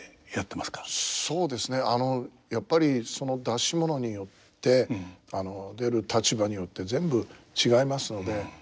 そうですねやっぱりその出し物によって出る立場によって全部違いますので。